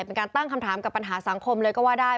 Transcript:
เป็นการตั้งคำถามกับปัญหาสังคมเลยก็ว่าได้